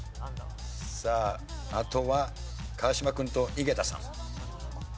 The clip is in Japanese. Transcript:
さああとは川島君と井桁さん。